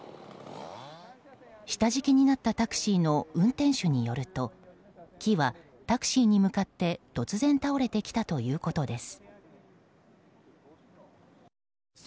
下敷きになったタクシーの運転手によると木は、タクシーに向かって突然倒れてきたということです。